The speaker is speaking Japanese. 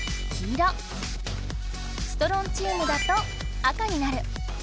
ストロンチウムだと赤になる。